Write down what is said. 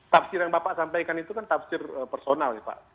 tafsir yang bapak sampaikan itu kan tafsir personal ya pak